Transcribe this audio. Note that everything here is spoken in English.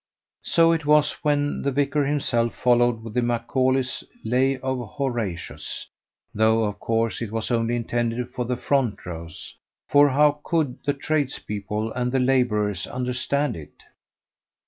So it was when the vicar himself followed with Macaulay's "Lay of Horatius," though of course it was only intended for the front rows for how could the tradespeople and the labourers understand it?